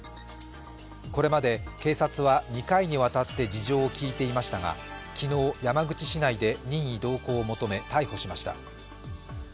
これまで警察は２回にわたって事情を聴いていましたが昨日、山口市内で任意同行を求め逮捕しました。